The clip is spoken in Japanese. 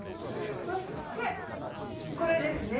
そしてこれですね。